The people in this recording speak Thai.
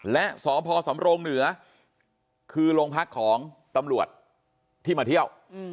และสพสำรงเหนือคือโรงพักของตำรวจที่มาเที่ยว